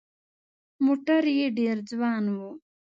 موټر یې ډېر ځوان و.